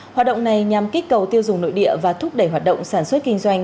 hoạt động này nhằm kích cầu tiêu dùng nội địa và thúc đẩy hoạt động sản xuất kinh doanh